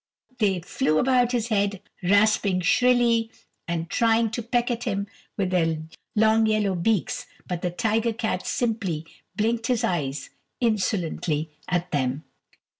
They flew about his head, rasping shrilly, and trying to peck at him with their long yellow beaks, but the tiger cat simply blinked his eyes insolently at them.